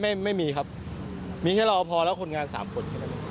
ไม่ไม่ไม่มีครับมีแค่รอพอแล้วคนงานสามคน